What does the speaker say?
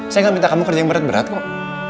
saya gak minta kamu kerja yang berat berat kok